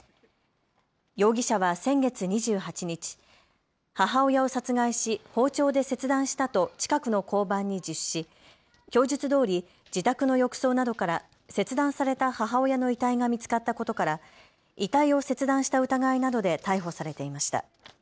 容疑者は先月２８日、母親を殺害し包丁で切断したと近くの交番に自首し供述どおり自宅の浴槽などから切断された母親の遺体が見つかったことから遺体を切断した疑いなどで逮捕されていました。